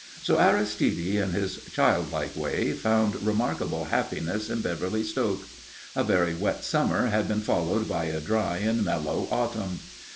So Aristide, in his childlike way, found remarkable happiness in Beverly Stoke. A very wet summer had been followed by a dry and mellow autumn.